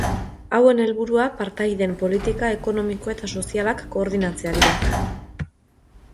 Hauen helburua partaideen politika ekonomiko eta sozialak koordinatzea dira.